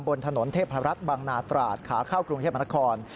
บนถนนเทพธรรมรัฐบังนาตราศขาข้าวกรุงเทพมนาคอล